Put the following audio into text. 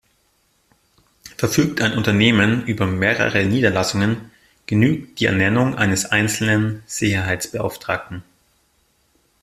Verfügt ein Unternehmen über mehrere Niederlassungen, genügt die Ernennung eines einzelnen Sicherheitsbeauftragten.